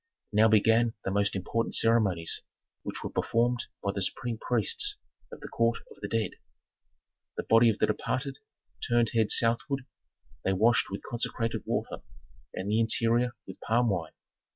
Now began the most important ceremonies, which were performed by the supreme priests of the court of the dead: The body of the departed, turned head southward, they washed with consecrated water and the interior with palm wine.